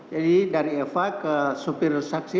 jadi dari epa ke supir saksi